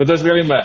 betul sekali mbak